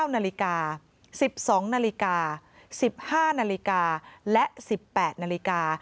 ๙นาฬิกา๑๒นาฬิกา๑๕นาฬิกาและ๑๘นาฬิกา